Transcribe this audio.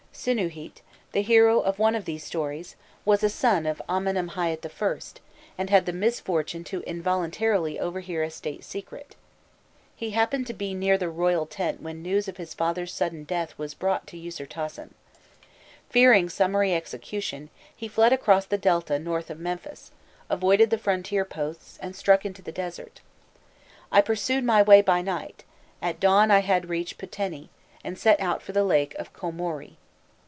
Sinûhît, the hero of one of these stories, was a son of Amenemhâît I., and had the misfortune involuntarily to overhear a state secret. He happened to be near the royal tent when news of his father's sudden death was brought to Usirtasen. Fearing summary execution, he fled across the Delta north of Memphis, avoided the frontier posts, and struck into the desert. "I pursued my way by night; at dawn I had reached Pûteni, and set out for the lake of Kîmoîrî.